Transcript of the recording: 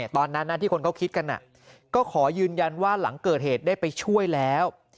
ตอนนั้นที่คนเขาคิดกันก็ขอยืนยันว่าหลังเกิดเหตุได้ไปช่วยแล้ว